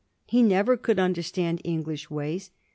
He never could un/lerstand English ways.